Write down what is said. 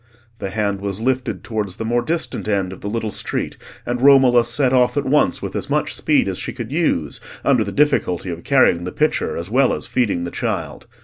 The hand was lifted towards the more distant end of the little street, and Romola set off at once with as much speed as she could use under the difficulty of carrying the pitcher as well as feeding the child.